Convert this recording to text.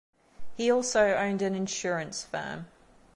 He also owned an insurance firm.